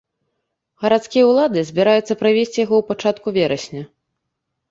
Гарадскія ўлады збіраюцца правесці яго ў пачатку верасня.